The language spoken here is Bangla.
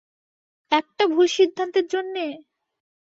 একটা ভুল সিদ্ধান্তের জন্যে?